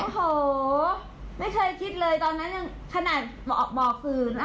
โอ้โหไม่เคยคิดเลยตอนนั้นยังขนาดมาออกบ่อคืน